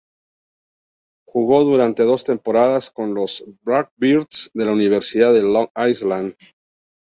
Jugó durante dos temporadas con los "Blackbirds" de la Universidad de Long Island.